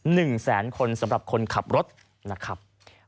หนึ่งแสนคนสำหรับคนขับรถนะครับ